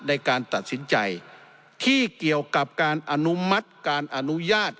ในการตัดสินใจที่เกี่ยวกับการอนุมัติการอนุญาต